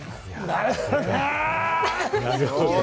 なるほどな。